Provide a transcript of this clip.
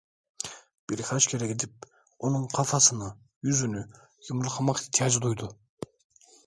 Birkaç kere gidip onun kafasını, yüzünü yumruklamak ihtiyacı duydu.